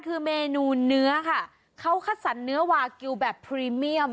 คือเมนูเนื้อค่ะเขาคัดสรรเนื้อวากิลแบบพรีเมียม